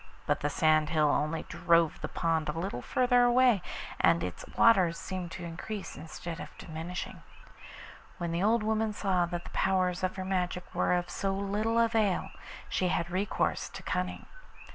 But the sand hill only drove the pond a little farther away, and its waters seemed to increase instead of diminishing. When the old woman saw that the powers of her magic were of so little avail, she had recourse to cunning.